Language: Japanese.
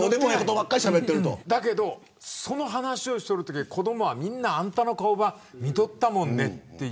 だけど、その話をしてるとき子どもはみんなあんたの顔ば見とったもんねと。